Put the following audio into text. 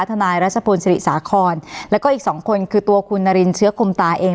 รัชพลศิริสาครแล้วก็อีกสองคนคือตัวคุณนารินเชื้อคมตาเอง